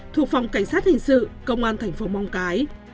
thuộc phòng cảnh sát hình sự công an thành phố móng cái